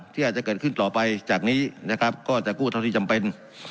ที่อาจจะเกิดขึ้นต่อไปจากนี้นะครับก็จะกู้เท่าที่จำเป็น